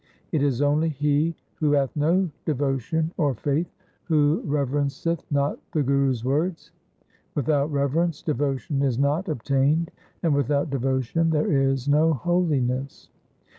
It is only he who hath no devotion or faith, who rever enceth not the Guru's words. Without reverence devotion is not obtained, and without devotion there is no holiness.